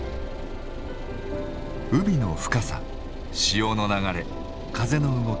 海の深さ潮の流れ風の動き